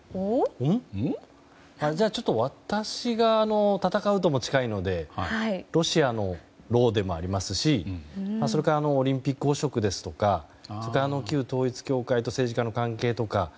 私が「戦」とも近いのでロシアの「露」でもありますしそれからオリンピック汚職ですとか旧統一教会と政治家の関係とか。